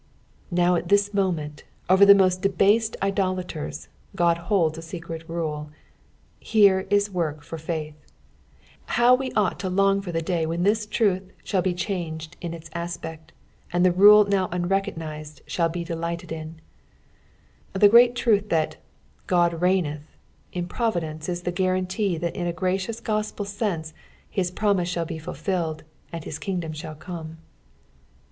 Now at this moment, over the most debased idolaters, Ood holds a secret rule ; here is work for faith. How we ought to long for the day when this truth ahsll l>e changed in its aspect, and the rule now unrecognised eball be delighted in I The great truth that Qod reigneth in providence is the guarantee that in a gracious gospel sense his promise shall be fulfilled, and his kingdom shall come.